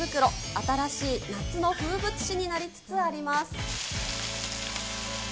新しい夏の風物詩になりつつあります。